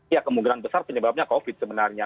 ya kemungkinan besar penyebabnya covid sebenarnya